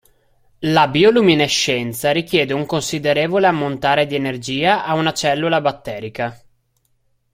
La bioluminescenza richiede un considerevole ammontare di energia a una cellula batterica.